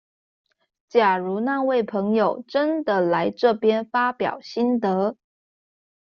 假如那位朋友真的來這邊發表心得